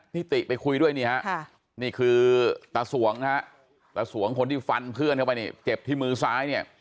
ติไปคุยด้วยนี่ฮะนี่คือตาสวงนะฮะตาสวงคนที่ฟันเพื่อนเข้าไปนี่เจ็บที่มือซ้ายเนี่ย